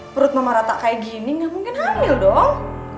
perut mama rata kayak gini nggak mungkin hamil dong